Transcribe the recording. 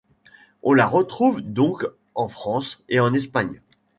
On la retrouve donc en France et en Espagne.